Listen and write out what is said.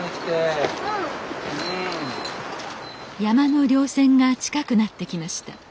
山の稜線が近くなってきました。